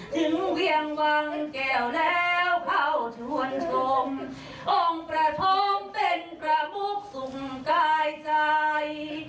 เวียงวังแก้วแล้วเข้าชวนชมองค์ประทอมเป็นประมุกส่งกายใจ